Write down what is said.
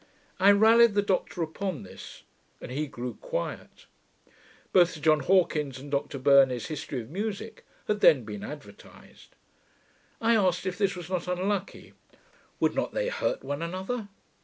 I rallied the Doctor upon this, and he grew quiet. Both Sir John Hawkins's and Dr Burney's History of Musick had then been advertised. I asked if this was not unlucky: would not they hurt one another?